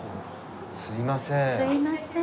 すいません。